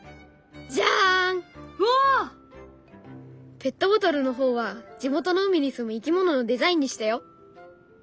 ペットボトルの方は地元の海に住む生き物のデザインにしたよ。